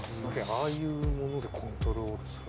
ああいうものでコントロールするんだ。